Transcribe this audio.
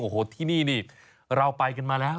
โอ้โหที่นี่นี่เราไปกันมาแล้ว